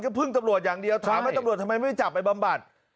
ก็พึ่งตำรวจอย่างเดียวถามว่าตำรวจทำไมไม่จับไปบำบัด